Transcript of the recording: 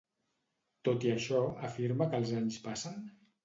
Tot i això, afirma que els anys passen?